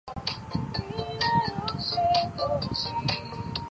九二共识是与台湾海峡两岸关系有关的政治术语。